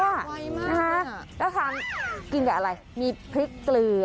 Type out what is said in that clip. แล้วถามกินแบบอะไรมีพริกเกลือ